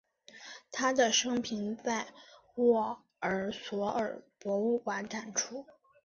他的生平在沃尔索尔博物馆展出。